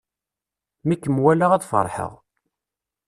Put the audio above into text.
Mi kem-walaɣ ad feṛḥeɣ.